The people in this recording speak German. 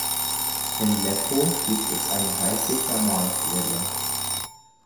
In Lepo gibt es eine heiße Thermalquelle.